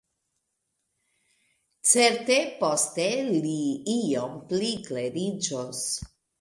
Certe poste li iom pli kleriĝos.